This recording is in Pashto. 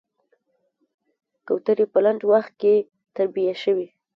کوترې په لنډ وخت کې تربيه شوې.